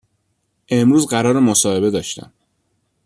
امروز قرار مصاحبه داشتم